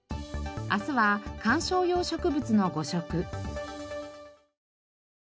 明日は観賞用植物の誤食。